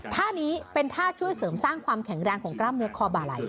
ท่านี้เป็นท่าช่วยเสริมสร้างความแข็งแรงของกล้ามเนื้อคอบาลัย